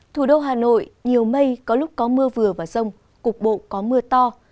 thủ đô hà nội nhiều mây có lúc có mưa vừa và rông cục bộ có mưa to